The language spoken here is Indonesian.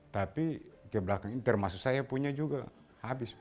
tapi kebelakang ini termasuk saya punya juga habis